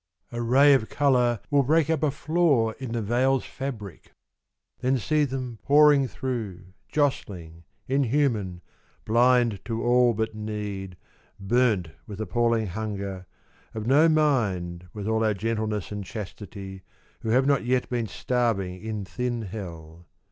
A ray of colour will break up a flaw In the veil's fabric : then see them pouring through Jostling, inhuman, blind to all but need Burnt with appalling hunger, of no mind With all our gentleness and chastity Who have not yet been starving in thin hell.